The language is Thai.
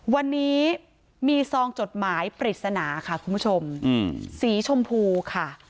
วันนี้มีซองจดหมายปริศนาค่ะคุณผู้ชมสีชมพูค่ะ